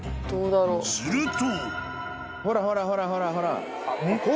［すると］